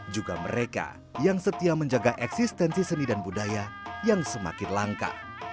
juga mereka yang setia menjaga eksistensi seni dan budaya yang semakin langka